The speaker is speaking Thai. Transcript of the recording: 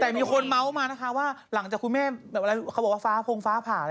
แต่มีคนเม้าต์มานะคะว่าหลังจากคุณแม่เขาบอกว่าฟ้าพงฟ้าผ่าอะไร